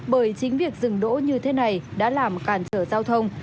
bởi chính việc dừng đỗ như thế này đã làm cản trở giao thông